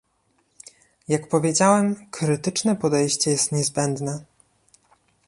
Jak powiedziałem, krytyczne podejście jest niezbędne